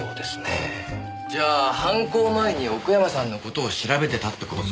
じゃあ犯行前に奥山さんの事を調べてたって事すか？